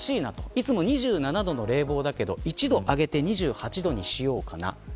いつもは２７度の冷房だけど１度上げて２８度にしようかな。